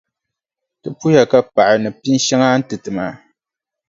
Ti puhiya ka paɣi ni pinʼ shɛŋa a ni ti ti maa.